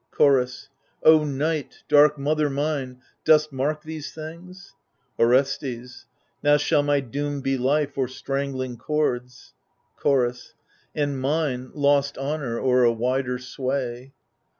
Chorus O Night, dark mother mine, dost mark these things ? Orestes Now shall my doom be life, or strangling cords. Chorus And mine, lost honour or a wider sway.